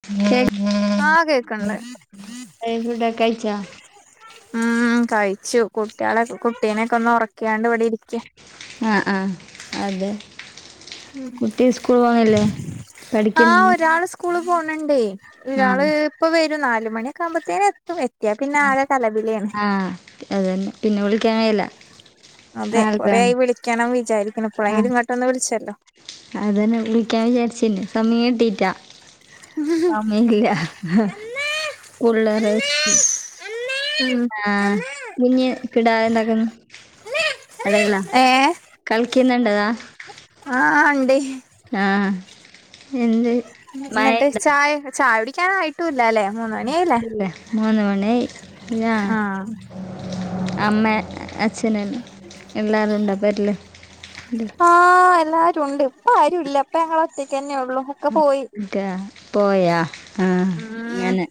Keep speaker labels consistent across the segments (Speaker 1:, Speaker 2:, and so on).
Speaker 1: [unintelligible]
Speaker 2: ആഹ് കേക്ക്ണ്ട്
Speaker 1: ഫു‌ഡൊക്കെ കഴിച്ചാ
Speaker 2: ഉം കഴിച്ചു കുട്ടിയാളെ കുട്ടീനെക്കെ ഒന്ന് ഒറക്യാണ്ട് ഇവിടെ ഇരിക്ക്യാ.
Speaker 1: ആഹ് ആഹ് അതെ കുട്ടി സ്കൂൾ പോവുന്നില്ലേ പഠിക്കുന്ന്
Speaker 2: സ്കൂൾ പോണ് ണ്ടേ.
Speaker 1: ആഹ്
Speaker 2: ഒരാള് ഇപ്പൊ വരും നാല് മണിയൊക്കെ ആകുമ്പഴ്ത്തേന് എ ത്തും. എത്തിയാ പിന്നെ ആകെ കലപിലേണ്
Speaker 1: ആഹ് അതന്നെ പിന്നെ വിളിക്കാൻ കയില്ല
Speaker 2: അതെ കൊറെ
Speaker 1: നാളെതാണ്
Speaker 2: ആയി വിളിക്കണം വിചാരിക്ണു.
Speaker 1: ആഹ്
Speaker 2: ഇപ്പളെങ്കിലും ഇങ്ങട്ടൊന്ന് വിളിച്ചല്ലോ
Speaker 1: അതന്നെ വിളിക്കാൻ വിചാരിച്ചെന് സമയം കിട്ടീട്ടാ സമയില്ല പുള്ളറ്
Speaker 2: അമ്മേ
Speaker 1: ആഹ് കുഞ്ഞ് കിടാവെന്താക്ന്ന്? എടേ ഇള്ള
Speaker 2: ഏഹ്
Speaker 1: കൾക്ക്യ്ന്നുണ്ടതാ
Speaker 2: ആഹ് ഇണ്ടേ
Speaker 1: എന്ത്
Speaker 2: ഇന്നട്ട്
Speaker 1: മഴയുണ്ടോ
Speaker 2: ചായെ, ചായ കുടിക്കാനായിട്ടൂല്ലാല്ലെ
Speaker 1: ഇല്ല മൂന്ന് മണി ആയി. ആഹ് അമ്മേ അച്ഛനും എല്ലാരും ണ്ടൊ പെര്ല്?
Speaker 2: ആഹ്. എല്ലാരും ഉണ്ട് ഇപ്പൊ ആരു ഇല്ല അപ്പ ഞങ്ങളൊറ്റക്കെന്നെ ഒള്ളു.
Speaker 1: ക്കെ പോയാ? ആഹ്
Speaker 2: ഉം
Speaker 1: ങ്ങനെ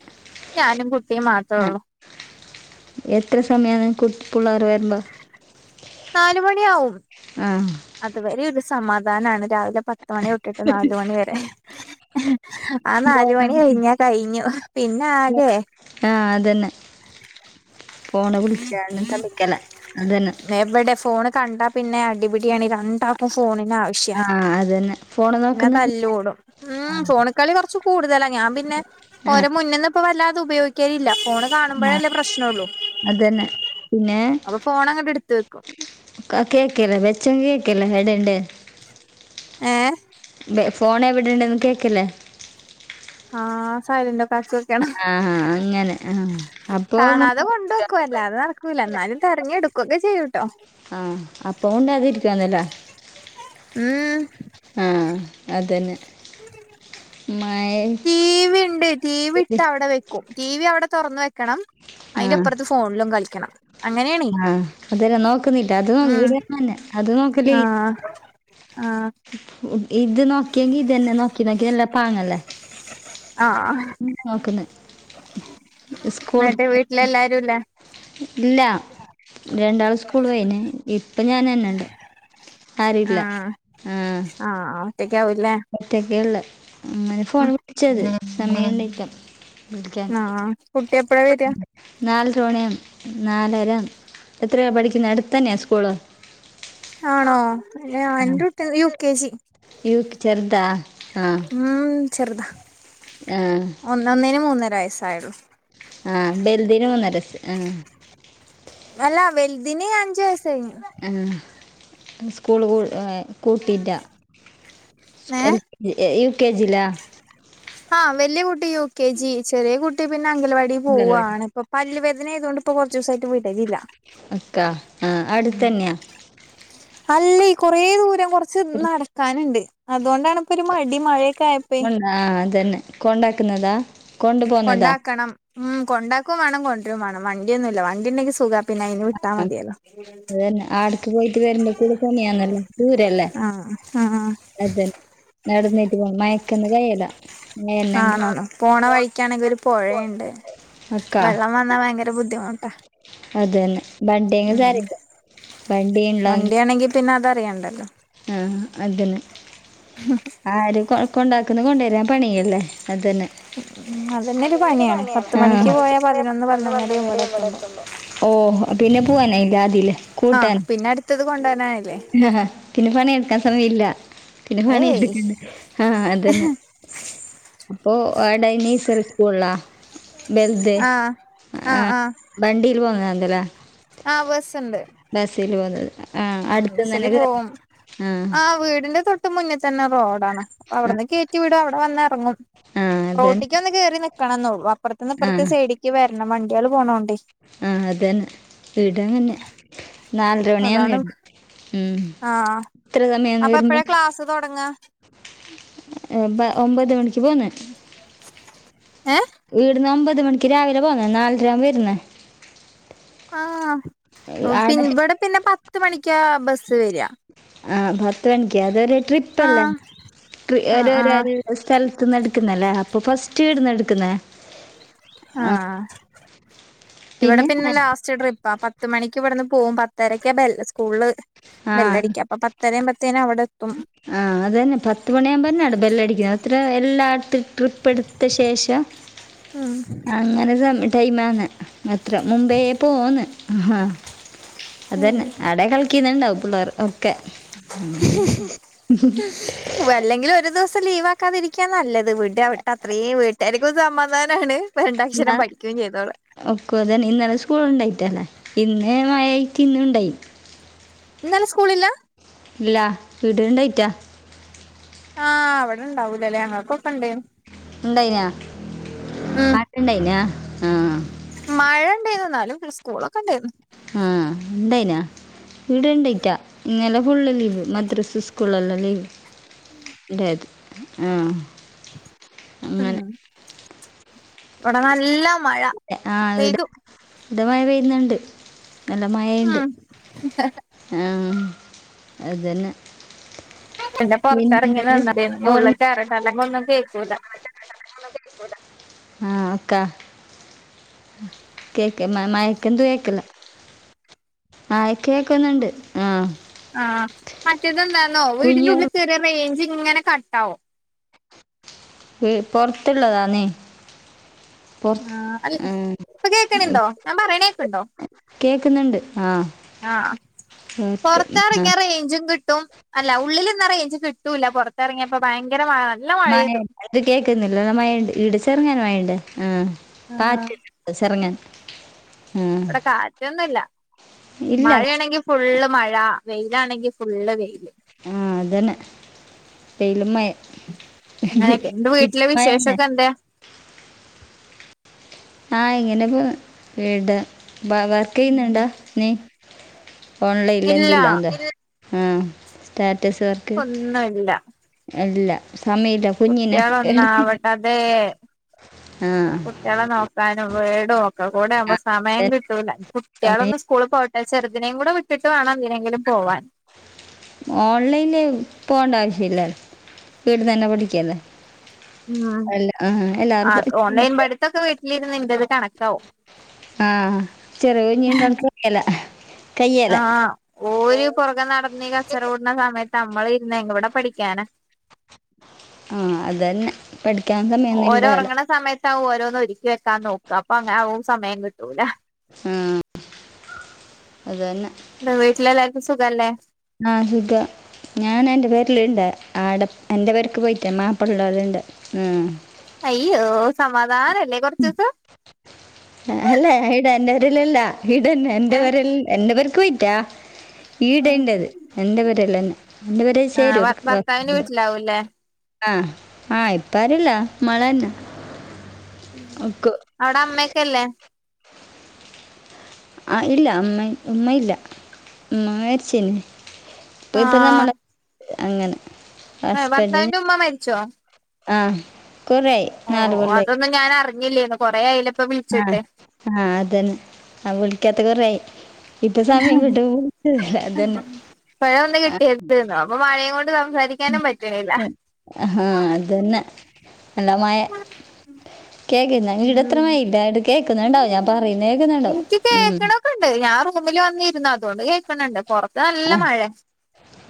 Speaker 2: ഞാനും കുട്ടിയും മാത്രേ
Speaker 1: അ
Speaker 2: ഉള്ളൂ
Speaker 1: എത്ര സമയാണ് കുട്ട് പിള്ളാർ വരുമ്പോ
Speaker 2: നാല് മണിയാവും.
Speaker 1: ആഹ്
Speaker 2: അതുവരെ ഒരു സമാധാനാണ് രാവിലെ പത്ത് മണി തൊട്ടിട്ട് നാലു മണി വരെ ആ നാല് മണി കഴിഞ്ഞാ കഴിഞ്ഞു പിന്നാകെ
Speaker 1: ആഹ് അതന്നെ ഫോൺ വിളിച്ചാ [unintelligible] അതന്നെ
Speaker 2: എവിടെ ഫോണ് കണ്ടാ പിന്നെ അടിപിടിയാണെ രണ്ടാക്കും ഫോണിനാവശ്യാ.
Speaker 1: ആഹ് അതന്നെ. ഫൊ
Speaker 2: പിന്നെ തല്ലൂടും ഉം ഫോൺ കളി കുറച്ച് കൂടുതലാ ഞാൻ പിന്നെ ഓര
Speaker 1: ആഹ്
Speaker 2: മുന്ന് ന്ന് ഇപ്പ വല്ലാതെ ഉപയോഗിക്കലില്ല ഫോൺ
Speaker 1: ആഹ്
Speaker 2: കാണുമ്പഴല്ലേ പ്രശ്ന ഒള്ളു
Speaker 1: അതന്നെ
Speaker 2: അപ്പൊ ഫോൺ അങ്ങട്ട് ഇട്ത്തു വെക്കും
Speaker 1: ക്കെ കേക്കേല്ല ബെച്ചൻ കേക്കേല്ല ഹടെ എണ്ട്
Speaker 2: ഏഹ്
Speaker 1: ഫോൺ എവിടെണ്ടെന്ന് കേക്കലെ
Speaker 2: ആഹ് സൈലൻ്റൊ ക്കാക്കി വെക്കണം.
Speaker 1: ആഹ് അങ്ങനെ ആഹ് അപ്പൊ
Speaker 2: കാണാതെ കൊണ്ട് വെക്കും അല്ലാതെ നടക്കൂല എന്നാലും തെരഞ്ഞെടു ക്കൊക്കെ ചെയ്യുട്ടോ
Speaker 1: ആഹ് അപ്പം മുണ്ടാതിരിക്കും എന്നില്ലെ.
Speaker 2: ഉം
Speaker 1: ആഹ് അതന്നെ മയ്
Speaker 2: ടി വി ഇണ്ട് ടി വി ഇട്ട് അവടെ വെക്കും ടി വി അവടെ തൊറന്ന് വെക്കണം
Speaker 1: ആഹ്
Speaker 2: അയിന്റെപ്പുറത്ത് ഫോ ൺലും കളിക്കണം അങ്ങനെയാണേ
Speaker 1: ആഹ് അതല് നോക്കുന്നില്ല അത് [unintelligible]
Speaker 2: ഉം
Speaker 1: ഈടിം അങ്ങതന്നെ അത് നോക്കലില്ല
Speaker 2: ആഹ് ആഹ്
Speaker 1: ഇത് നോക്കിയെങ്കി ഇതന്നെ നോക്കി നോക്കി ഇതല്ല പാങ്ങല്ലേ
Speaker 2: ആഹ്
Speaker 1: നോക്കുന്ന്
Speaker 2: ഇന്നട്ട് വീട്ട്ലെല്ലാരു ല്ലേ
Speaker 1: ഇല്ല രണ്ടാള് സ്കൂൾ വയിന ഇപ്പൊ ഞൻ തന്നെണ്ട്
Speaker 2: ആഹ് ആഹ് ഒറ്റക്കാവൂല്ലേ
Speaker 1: മറ്റൊക്കെ ഉള്ള അങ്ങനെ ഫോൺ വിളിച്ചത് സമയംണ്ടക്കാം
Speaker 2: ആഹ് കുട്ടി എപ്പഴാ വരിക
Speaker 1: [inaudible] നാലു തോണ നാലരം എത്രയാണ് പഠിക്കുന്ന അടുത്തന്നെയാ സ്കൂള്
Speaker 2: ആണോ അന്റെ കുട്ടി യു കെ ജി
Speaker 1: യൂക്ക് ചേർത ആഹ്
Speaker 2: ആഹ് ചെറുത
Speaker 1: ആഹ്
Speaker 2: ഒന്നൊന്നിന് മൂന്നര വയസ്സായുള്ളൂ
Speaker 1: ആഹ് ബലുതിന് മൂന്ന രസം ആഹ്
Speaker 2: അല്ല വൽതിന അഞ്ചുവയസ്സ് കയിഞ്ഞു
Speaker 1: സ്കൂൾ ക കൂട്ടിയിട്ട
Speaker 2: ഏ
Speaker 1: എൽ യു കെ ജി ലേ
Speaker 2: ആഹ് വലിയ കുട്ടി യു കെ ജി ചെറിയ കുട്ടി പിന്നെ അംഗലവാടിൽ
Speaker 1: അംഗനവാടി
Speaker 2: പോവുവാണ് ഇപ്പൊ പല്ല് വേദന ആയതുകൊണ്ട് ഇപ്പൊ കൊറച്ചവസായിട്ട് വിടലില്ല
Speaker 1: അക്ക ആഹ് അടുത്തന്നെയാ
Speaker 2: അല്ലെയ്‌ കൊറ ദൂരം കൊറച്ച് നടക്കാനുണ്ട് അതോണ്ടാണ് ഇപ്പൊ ഒരു മടി മഴയൊക്കെയ
Speaker 1: ഉം ആഹ് അതന്നെ കൊണ്ടാക്കുന്നതാ കൊണ്ടു പോന്നതാ
Speaker 2: കൊണ്ടാക്കണം ഉം കൊണ്ടാക്കും വേണം കൊണ്ടുവരു വേണം വണ്ടിയൊന്നുംല്ല വണ്ടി ഉണ്ടെങ്കി സുഖ പിന്നെ അയിന് വിട്ടാ മതിയല്ലോ
Speaker 1: അതന്നെ ദൂരല്ല
Speaker 2: ആഹ് ആഹ്
Speaker 1: അതന്നെ നടന്നിട്ട് മയക്കന്ന് കൈയല്ല
Speaker 2: ആണോ പോണ വഴിക്കാണെങ്കിൽ ഒരു പുഴയുണ്ട്
Speaker 1: അക്കാ
Speaker 2: വെള്ളം വന്നാ ഭയങ്കര ബുദ്ധിമുട്ടുന്ന്
Speaker 1: അതന്നെ വണ്ടിയ സര
Speaker 2: ഉം
Speaker 1: വണ്ടിയ ഉള്ള
Speaker 2: വണ്ടിയാണെങ്കി പിന്നെ അതറിയണ്ടല്ലോ
Speaker 1: ആഹ് അതന്നെ
Speaker 2: [inaudible]
Speaker 1: ആര് കൊ കൊണ്ടാക്കുന്ന കൊണ്ടുവരാൻ പണിയല്ലേ അത്ന്നെ
Speaker 2: ഉം അതന്നെ
Speaker 1: അതന്റെ ഒരു
Speaker 2: പണിയാണ് പത്ത്
Speaker 1: പനിയാണ്
Speaker 2: മണിക്ക്
Speaker 1: മനിക്ക്
Speaker 2: പോയാ പതിനൊന്ന്
Speaker 1: പന്ന്
Speaker 2: പതിനൊന്നരയാവും
Speaker 1: പറന്നര ഇവിടെ എത്തുമ്പോ ഓഹ് പിന്നെ പോവാനായില്ല ആദ്യല്ലേ
Speaker 2: ആഹ്
Speaker 1: കൂട്ടൻ
Speaker 2: പിന്നെ അടുത്തത് കൊണ്ടുവാനാനല്ലേ
Speaker 1: ആഹ് പിന്നെ പണിയെടുക്കാൻ സമയം ഇല്ല പിന്നെ
Speaker 2: ഏയ്
Speaker 1: പണിയെടുക്ക ആഹ് അതന്നെ അപ്പൊ ആയ് ഡൈനീസ്റിക്കൂള്ളാ ബൽത്
Speaker 2: ആഹ്
Speaker 1: ആ
Speaker 2: ആഹ് ആഹ്
Speaker 1: വണ്ടിൽ പോന്നത എന്തല്ലാ
Speaker 2: ആഹ് ബസ്ണ്ട്
Speaker 1: ബസ്സിൽ പോന്നത്
Speaker 2: ഉസരി പോവും ആഹ്. വിടിന്റെ. തൊട്ട ഇട്ട മുന്നിൽ തന്നെ റോഡാണ്
Speaker 1: ആ,
Speaker 2: അവിടുന്ന് കയറ്റി വിടും അവിടെ വന്ന ഇറങ്ങും
Speaker 1: ആ അതന്നെ
Speaker 2: റോട്ടിക്ക് ഒന്ന് കേറി നിക്കണം എന്ന ഉള്ളു അപ്പുറത്ത നിന്ന്
Speaker 1: ആ
Speaker 2: അപ്പുറത്തെ സൈഡിക്ക് വരണം വണ്ടിയാള് പോണോണ്ട്േ
Speaker 1: ആഹ് അതന്നെ ഇടാന്നെ നാലരവണിയന്ന
Speaker 2: അതാണ്
Speaker 1: ഇട ഉം
Speaker 2: ആഹ്
Speaker 1: എത്ര സമയന്ന്
Speaker 2: അപ്പൊ
Speaker 1: വരമ്പ
Speaker 2: എപ്പഴാ ക്ലാസ് തുടങ്ങ
Speaker 1: ഒമ്പത് മണിക്ക് പോന്ന
Speaker 2: ഏഹ്
Speaker 1: വീടന്ന് ഒമ്പത് മണിക്ക് രാവിലെ പോകന്ന നാലര ആകുമ്പോ വരുന്നേ
Speaker 2: ആ പിൻ
Speaker 1: ആടെ
Speaker 2: ഇവിടെ പിന്നെ പത്ത് മണിക്ക് ബസ്സ് വര
Speaker 1: ആഹ് പത്ത് മണിക്ക് അതൊരു ട്രിപ്പല്ലേ
Speaker 2: ആഹ് ആഹ് ആഹ്
Speaker 1: ഒരു സ്ഥലത്ത് നിന്ന് എടുക്കുന്നല്ലേ അപ്പോൾ ഫസ്റ്റ്ടുന്ന് എടുക്കുന്ന
Speaker 2: ആഹ് ഇവിടെ പിന്നെ ലാസ്റ്റ് ട്രിപ്പാ പത്ത് മണിക്ക് ഇവിടുന്ന് പോകവും പത്തരക്ക സ്കൂളള്
Speaker 1: ആ
Speaker 2: ബെല്ലടിക്കുക അപ്പൊ പത്തരയും പത്തേനും അവിടെ ഇപ്പം -
Speaker 1: ആഹ് അ തന്നെ പത്ത് മണിയാകുമ്പന്നെ ബെല്ല് അടിക്കുന്നത് എത്ര എല്ലായിടത്തും ട്രിപ്പ് എടുത്ത ശേഷം.
Speaker 2: ഉം
Speaker 1: [unintelligible] അങ്ങനെ സ ടൈം ആന്ന് അത്ര മുമ്പേ പോന്ന് ആഹ് അതന്നെ അടെ കളിക്കിന്നിണ്ടാവും പിള്ളേർ ഒക്കെ
Speaker 2: ഓഹ് അല്ലെങ്കിലും ഒരു ദിവസം ലീവ് ആക്കാതിരിക്കാ നല്ലത് വീട്ട് വിട്ട അത്രയും വീട്ടുകാർക്കും സമാധാനാണ് ഇപ്പ രണ്ടക്ഷരം പഠിക്കയും ചെയ്തോളേ
Speaker 1: ഓക്കു അതന്നെ ഇന്നലെ സ്കൂൾ ഉണ്ടായിട്ടല്ലേ ഇന്ന് മഴായായിട്ട് ഇന്നു ഉണ്ടായി
Speaker 2: ഇന്നലെ സ്കൂളില്ല?
Speaker 1: ഇല്ല വീടണ്ടായിറ്റ-
Speaker 2: ആഹ് അവിടെണ്ടാവൂലല്ലേ ഞങ്ങക്കൊക്കെ ഉണ്ടയിന്നു.
Speaker 1: ഉണ്ടായിന്ന
Speaker 2: ഉം
Speaker 1: പട്ടുണ്ടായിനാ ആഹ്
Speaker 2: മഴ ഉണ്ടായിന്ന് എന്നാലും സ്കൂളൊക്കെ ഉണ്ടായിന്നു
Speaker 1: ഉം. ഉണ്ടായിന്ന ഇവിടെ ഉണ്ടക്കാ ഇന്നലെ ഫുള്ള് ലീവ് മദ്രസ് സ്കൂളല്ലാം ലീവ്- ഇണ്ടത് ആഹ് അങ്ങന-
Speaker 2: ഉം ഇവിടെ നല്ല മഴ
Speaker 1: ആഹ് ഇവിടെ
Speaker 2: പെയ്തു
Speaker 1: ഇവിടെ മഴ പെയ്യുന്നുണ്ട് നല്ല മഴണ്ട്
Speaker 2: ആഹ്-
Speaker 1: ആഹ് അതന്നെ-
Speaker 2: പിന്നെ പുറത്തിറങ്ങി നിന്ന് വീട്ടീന്ന് ഉള്ളിൽ കയറിട്ട അല്ലെങ്കി ഒന്നും കേക്കൂല്ല-
Speaker 1: ആഹ് ക്ക- കേക്ക മയക്കെതു കേക്ക്‌ന്ന് ആഹ് കേക്കുന്നുണ്ട് ആഹ്
Speaker 2: ആഹ് മറ്റേത് എന്താന്നോ വീടിന്റെ
Speaker 1: കുഞ്ഞു
Speaker 2: ഉള്ളിൽ കേറിയ റേഞ്ച് ഇങ്ങനെ കട്ടാവും.
Speaker 1: ഈ പുറത്തുള്ളതാന്നെ
Speaker 2: ആഹ് അല്ല
Speaker 1: ആ,
Speaker 2: ഇപ്പൊ കേൾക്കണണ്ടോ ഞാൻ പറയണ കേക്കണ്ടോ?
Speaker 1: കേൾക്കുന്നുണ്ട് ആ
Speaker 2: ആഹ്
Speaker 1: കേക്ക്- ആ.
Speaker 2: പുറത്തിറങ്ങിയാ റേഞ്ചും കിട്ടും. അല്ല ഉള്ളിൽ നിന്ന റേഞ്ച് കിട്ടൂല്ലാ പുറത്തിറങ്ങിയപ്പോ ഭയങ്കര മഴ നല്ല മഴ പെയ്തു
Speaker 1: മഴണ്ട് അത് കേൾക്കുന്നില്ല മഴയുണ്ട് ഇവിടെ ചെറുങ്ങന മഴയിണ്ട് ആഹ്
Speaker 2: ആഹ്
Speaker 1: കാറ്റ് ചെറങ്ങുന
Speaker 2: ഇവിടെ കാറ്റൊന്നുല്ല
Speaker 1: ഇല്ല
Speaker 2: മഴയാണെങ്കിൽ ഫുള്ള് മഴ വെയിലാണെങ്കിൽ ഫുള്ള് വെയില്-
Speaker 1: ആഹ് അതന്നെ വെയിലും മയേം
Speaker 2: അങ്ങനെയൊക്കെ എന്റെ വീട്ടിലെ
Speaker 1: ഇപ്പോ അയന്നെ
Speaker 2: വിശേഷൊക്കെ എന്തേ
Speaker 1: ആഹ് ഇങ്ങനെ പോന്ന് ഇവിടെ വ വർക്ക് ചെയ്യുന്നുണ്ടോ നീ?
Speaker 2: ഇല്ല
Speaker 1: ഓൺലൈനിൽ [unintelligible] ആഹ് സ്റ്റാറ്റസ് വർ
Speaker 2: ഒന്നുല്ല-
Speaker 1: അല്ല സമയില്ല-
Speaker 2: കുട്ടികൾ ഒന്നാവട്ടെ അതെ
Speaker 1: ആഹ്
Speaker 2: കുട്ടികളെ നോക്കാനും വീട് ഒക്കെ കൂടെ ആവുമ്പോ സമയം കിട്ടൂല കുട്ടികളൊന്ന്
Speaker 1: സമയം
Speaker 2: സ്കൂളി പോട്ടെ ചെറുതിനേം കൂടി വിട്ടിട്ട് വേണം എന്തിനെങ്കിലും പോവാൻ-
Speaker 1: ഓൺലൈനില് പോകേണ്ട ആവശ്യല്ല വീട്ടി തന്നെ പഠിക്കല്ലേ-
Speaker 2: ഉം
Speaker 1: അല്ല ആഹ് എല്ലാർക്കും-
Speaker 2: ഇതൊക്കെ വീട്ടിലിരുന്നു എന്റേത് കണക്കാവും-
Speaker 1: ആഹ് ചെറിയ കുഞ്ഞീണ്ട് [unintelligible]
Speaker 2: ആഹ് ഓര് പുറകെ നടന്നീ കച്ചറ കൂട്ടാണ സമയത്ത് നമ്മൾ ഇരുന്ന് എവിടെ പഠിക്കാന-
Speaker 1: ആഹ് അതന്നെ പഠിക്കാൻ സമയൊന്നു
Speaker 2: ഓര്
Speaker 1: ഉണ്ടാവില്ല.
Speaker 2: ഉറങ്ങണ [unintelligible] ഓരോന്ന് ഒരുക്കി വെക്കാൻ നോക്ക്വ അപ്പൊ അങ്ങനെ സമയം കിട്ടൂല
Speaker 1: ഉം അതന്നെ
Speaker 2: വീട്ടിലെല്ലാർക്കും സുഖാല്ലേ
Speaker 1: ആഹ് സുഖാ ഞാനെന്റെ പെരേലുണ്ട് ആടെ എന്റെ പെരക്ക് പോയിട്ടേ മാപ്പിളടെ ഉണ്ട് ഉം
Speaker 2: അയ്യോ സമാധാനല്ലേ കുറച്ചീസം
Speaker 1: അല്ല ഇടാ എന്റെ പേരെലല്ല ഇടന്നേ എന്റെ
Speaker 2: ഏഹ്
Speaker 1: പെരേൽ എന്റെ പെരക്ക് പോയിറ്റാ ഈടെൻ്റെത് എന്റെ പെരേല്ലന്നെ എന്റെ പെരേ
Speaker 2: ആഹ്
Speaker 1: ചേരുവവര്ക്
Speaker 2: ഭർത്താവിന്റെ വീട്ടിലാവൂല്ലേ
Speaker 1: ആഹ് ആഹ് ഇപ്പാരുല്ല മ്മള് തന്നെ ഒക്ക്.
Speaker 2: അവിടെ അമ്മയൊക്കല്ലേ?
Speaker 1: ആഹ് ഇല്ല അമ്മ ഉമ്മ ഇല്ല ഉമ്മ മരിച്ചേന്. ഇപ്പൊ ഇപ്പൊ
Speaker 2: ആഹ്
Speaker 1: നമ്മടെ അങ്ങനെ
Speaker 2: ഏഹ്
Speaker 1: ഹസ്ബന്റ്
Speaker 2: ഭർത്താവിന്റെ ഉമ്മ മരിച്ചോ
Speaker 1: ആഹ് കൊറേയി
Speaker 2: ഓ അതൊന്നും ഞാനറിഞ്ഞില്ലേന്ന് കൊറേയായിലെ
Speaker 1: ആഹ് ആഹ് അതന്നെ ആ വിളിക്കാത്ത കൊറേ ആയി. ഇപ്പൊ സമയം കിട്ടും ല്ലാ അതന്നെ
Speaker 2: ഇപ്പോഴാ ഒന്ന് കിട്ടിയത് അപ്പൊ മഴയും കൊണ്ട് സംസാരിക്ക-
Speaker 1: ആഹാ അത് തന്നെ നല്ലാമായ കേക്കുന്നാ വീട്
Speaker 2: ഉം
Speaker 1: എത്രമാ [unintelligible] കേക്കുന്നുണ്ടാവും ഞാൻ പറയുന്ന കേക്കുന്നുണ്ടാവും ഉം.
Speaker 2: ണ്ട് ഞാ റൂമിൽ വന്നിരുന്നു അതൊണ്ട് കേക്കണണ്ട് പുറ- നല്ല
Speaker 1: ആ
Speaker 2: മഴ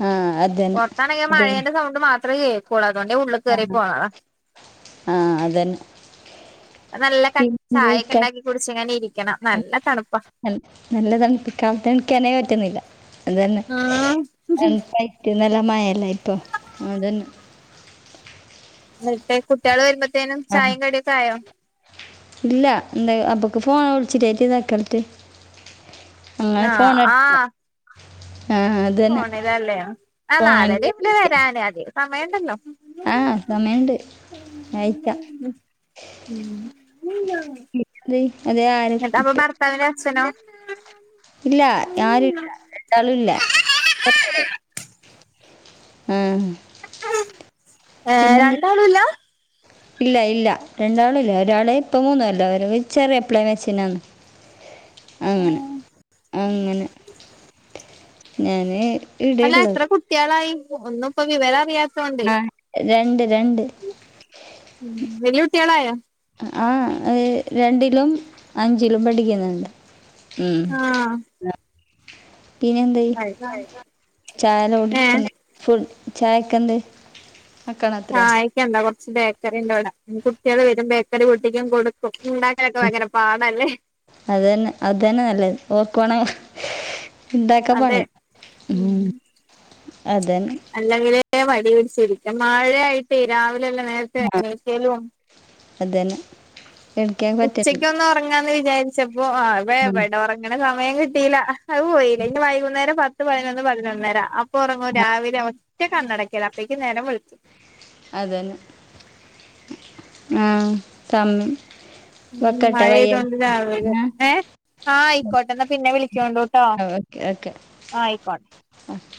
Speaker 1: ആ അതന്നെ
Speaker 2: പൊറത്താണെങ്കി മഴേന്റെ സൗണ്ട് മാത്രമേ കേക്കുള്ളൂ അതുകൊണ്ട് ഞാ ഉള്ള-
Speaker 1: ആഹ് ആഹ് അതന്നെ.
Speaker 2: നല്ല കട്
Speaker 1: പിന്നെ
Speaker 2: ചായൊക്കെ
Speaker 1: ക-
Speaker 2: ഉണ്ടാക്കി കുടിച്ചിങ്ങനെ ഇരിക്കണം നല്ല തണുപ്പ.
Speaker 1: നല്ല തണുപ്പ് കാലത്തെണീക്കാനേ പറ്റുന്നില്ല അത് തന്നെ
Speaker 2: ഉം
Speaker 1: തണുപ്പായിട്ട്. നല്ല മയയല്ലേ ഇപ്പൊ അതന്നെ.
Speaker 2: എന്നിട്ടേ കുട്ടികള് വരുമ്പഴത്തേനും
Speaker 1: ആഹ്
Speaker 2: ചായേം കടിയൊക്കെ ആയോ?
Speaker 1: ഇല്ല എന്താ അബക്ക് ഫോൺ വിളിച്ചിട്ടായിട്ട് [unintelligible] അങ്ങനെ
Speaker 2: ആഹ്
Speaker 1: ഫോൺ എടുത്ത്താ
Speaker 2: ആഹ്
Speaker 1: ആഹ് അതന്നെ
Speaker 2: ഫോണിലല്ലേ ആ
Speaker 1: ഫോണിന്റെ
Speaker 2: നാലരയാവിലേ വരാനെ അതിന് സമയുണ്ടല്ലോ.
Speaker 1: ആഹ് സമയണ്ട് ആയിക്കാം
Speaker 2: ഉം
Speaker 1: അതെ അതെ ആര ഇപ്പെ
Speaker 2: പ്പ അവന്റെ അച്ഛനോ?
Speaker 1: ഇല്ല ആരൂല്ല രണ്ടാളും ഇല്ല. ആഹ്
Speaker 2: ഏ
Speaker 1: പിന്നെന്ത്
Speaker 2: രണ്ടാളൂല്ല?
Speaker 1: ഇല്ല ഇല്ല രണ്ടാളൂല്ല ഒരാളെ ഇപ്പോ മൂന്നു കൊല്ലാവും ഒരാള് ചെറിയായപ്ലെ മരിച്ചന്നാണ് അങ്ങനെ അങ്ങനെ. ഞാന്
Speaker 2: അല്ല
Speaker 1: ഇടെള്ളത്
Speaker 2: എത്ര കുട്ടികളായി ഒന്നും ഇപ്പോ വിവര അറിയാത്ത
Speaker 1: രണ്ട് രണ്ട്.
Speaker 2: ഉം വല്യൂട്ടികളായോ
Speaker 1: ആഹ് രണ്ടിലും അഞ്ചിലും പഠിക്കുന്നുണ്ട്. ഉം
Speaker 2: ആഹ്
Speaker 1: പിന്നെ ചായല്ല
Speaker 2: ഏ
Speaker 1: കുടിക്കുന്നെ ഫുഡ് ചായക്കെന്ത് ആക്കണത്ര
Speaker 2: ചായക്കെന്താ കുറച്ച് ബേക്കറിണ്ടവിടെ കുട്ടികള് വരും ബേക്കറി പൊട്ടിക്കും കൊടുക്കും ഇണ്ട- ക്കലൊക്കെ ഭയങ്കര പാടാ ല്ലേ.
Speaker 1: അത് തന്നെ അത് തന്നെ നല്ലത് ഓർക്കുവാണെ ഇണ്ടാക്ക
Speaker 2: അതെ
Speaker 1: പണി ഉം അതന്നെ
Speaker 2: അല്ലെങ്കിലേ മടി പിടിച്ചിരിക്ക മാഴയായിട്ട് രാവിലെ എല്ലാ നേരത്തെ
Speaker 1: ആ
Speaker 2: ഏണിക്കലും
Speaker 1: അതന്നെ. എടുക്കാൻ പറ്റത്തില്ല
Speaker 2: ഉച്ചയ്ക്കന്ന് ഉറങ്ങാന്ന് വിചാരിച്ചപ്പോ ആ വിടെ
Speaker 1: ഉം
Speaker 2: വടെ ഉറങ്ങ. ങ്ങനെ സമയം കിട്ടിയില അത് പോയിലെ ഇനി വൈകുന്നേരം പത്ത് പതിനൊന്ന് പതിനൊന്നര അ പ്പോ ഉറങ്ങും രാവിലെ ഒറ്റ കണ്ണടക്കല്ല അപ്പേക്ക് നേരം വെളുത്തു.
Speaker 1: അതന് ആ സമ
Speaker 2: ഉം മഴയ്തൊണ്ട് രാവിലെ ഏ ആഹ് ആയിക്കോട്ടെ എന്നാ പിന്നെ വിളിച്ചോളൂട്ടോ ആയിക്കോട്ടെ.
Speaker 1: ഓ [unintelligible]